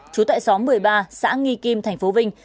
chú tại xóm một mươi ba xã nghi kim tp vinh